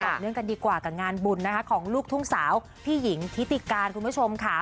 เนื่องกันดีกว่ากับงานบุญนะคะของลูกทุ่งสาวพี่หญิงทิติการคุณผู้ชมค่ะ